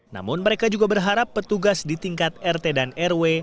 namun mereka juga berharap petugas di tingkat rt dan rw